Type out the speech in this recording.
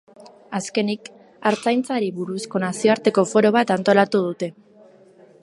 Azkenik, artzaintzari buruzko nazioarteko foro bat antolatu dute.